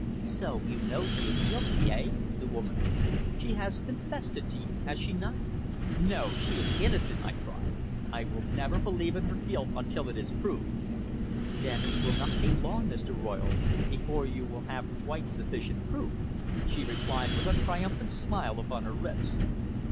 "So you know she is guilty eh?" the woman asked. "She has confessed it to you has she not?" "No. She is innocent," I cried. "I will never believe in her guilt until it is proved." "Then it will not be long, Mr. Royle, before you will have quite sufficient proof," she replied with a triumphant smile upon her lips.